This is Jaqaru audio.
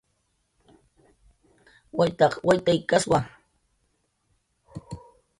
Waytaq waytaykaswa